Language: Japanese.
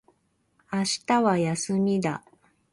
明日は休みだ